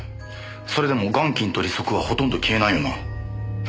それでも元金と利息はほとんど消えないよな。